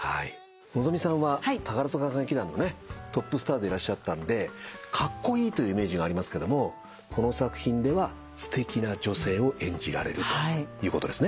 望海さんは宝塚歌劇団のトップスターでいらっしゃったんでカッコイイというイメージがありますけどもこの作品ではすてきな女性を演じられるということですね。